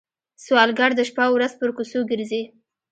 سوالګر د شپه ورځ پر کوڅو ګرځي